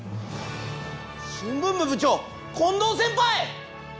新聞部部長近藤先輩！